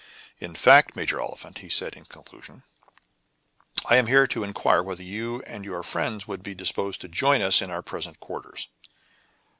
"In fact, Major Oliphant," he said in conclusion, "I am here to inquire whether you and your friends would be disposed to join us in our present quarters."